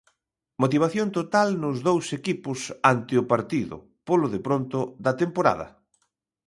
Motivación total nos dous equipos ante o partido, polo de pronto, da temporada.